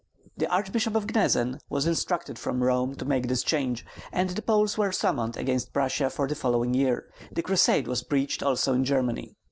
The Archbishop of Gnezen was instructed from Rome to make this change, and the Poles were summoned against Prussia for the following year. The crusade was preached also in Germany.